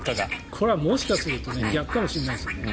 これはもしかしたら逆かもしれないですよね。